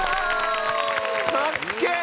かっけえ！